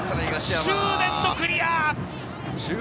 執念のクリア！